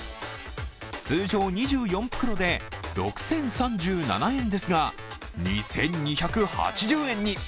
通常２４袋で６０３７円ですが、２２８０円に。